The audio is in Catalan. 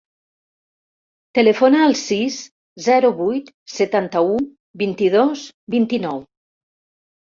Telefona al sis, zero, vuit, setanta-u, vint-i-dos, vint-i-nou.